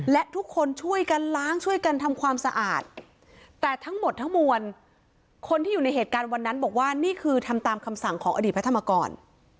และทุกคนช่วยกันล้างช่วยกันทำความสะอาดแต่ทั้งหมดทั้งมวลคนที่อยู่ในเหตุการณ์วันนั้นบอกว่านี่คือทำตามคำสั่งของอดีตพระธรรมกร